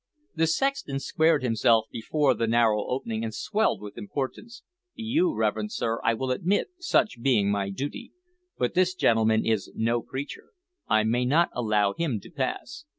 The sexton squared himself before the narrow opening, and swelled with importance. "You, reverend sir, I will admit, such being my duty. But this gentleman is no preacher; I may not allow him to pass."